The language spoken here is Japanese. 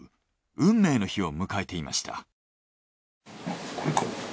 運命の日を迎えていました。